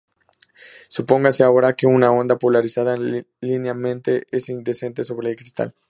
Supóngase ahora que una onda polarizada linealmente es incidente sobre el cristal.